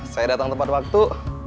saya datang tempat waktu